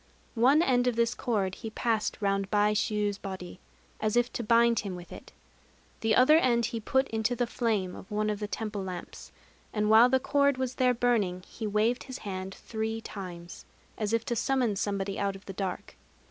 One end of this cord he passed round Baishû's body, as if to bind him with it. The other end he put into the flame of one of the temple lamps; and while the cord was there burning, he waved his hand three times, as if to summon somebody out of the dark.